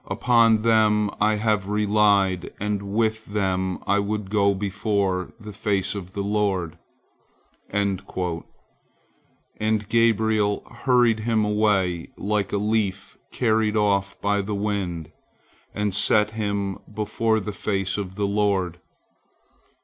Upon them I have relied, and with them I would go before the face of the Lord." And Gabriel hurried him away like a leaf carried off by the wind, and set him before the face of the Lord.